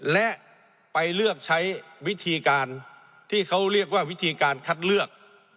และไปเลือกใช้วิธีการที่เขาเรียกว่าวิธีการคัดเลือก